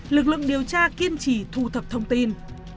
lực lượng điều tra kiên trì thu thập thông tin